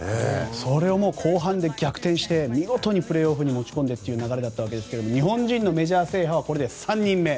それを後半で逆転して見事にプレーオフに持ち込んでという流れだったんですが日本人のメジャー制覇はこれで３人目。